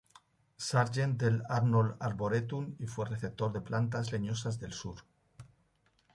Sargent del Arnold Arboretum y fue receptor de plantas leñosas del sur.